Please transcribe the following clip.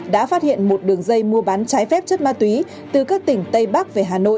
đã phát hiện một đường dây mua bán trái phép chất ma túy từ các tỉnh tây bắc về hà nội